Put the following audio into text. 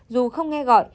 dù không nghe gọi